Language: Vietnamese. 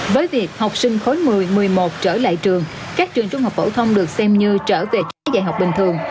với việc học sinh khối một mươi một mươi một trở lại trường các trường trung học phổ thông được xem như trở về trí dạy học bình thường